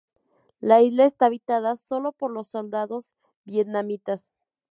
La isla está habitada solo por los soldados vietnamitas.